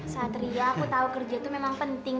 satria aku tahu kerja itu memang penting